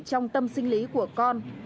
trong tâm sinh lý của con